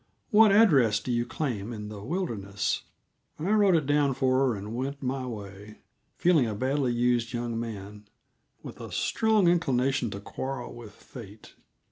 What address do you claim, in this wilderness?" I wrote it down for her and went my way, feeling a badly used young man, with a strong inclination to quarrel with fate.